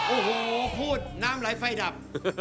โอ้โหพูดน้ำไหลไฟดับ